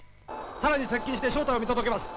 更に接近して正体を見届けます。